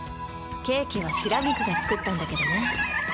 ケーキは白菊が作ったんだけどね。